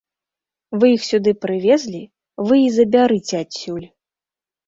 Вы іх сюды прывезлі, вы і забярыце адсюль!